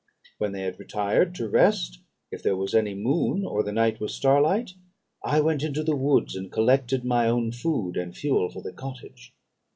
When they had retired to rest, if there was any moon, or the night was star light, I went into the woods, and collected my own food and fuel for the cottage.